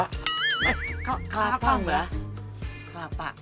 eh kelapa mbak kelapa